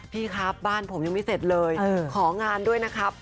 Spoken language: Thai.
พี่ครับบ้านผมยังไม่เสร็จเลยของานด้วยนะครับ